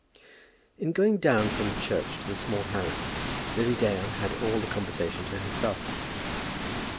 In going down from the church to the Small House Lily Dale had all the conversation to herself.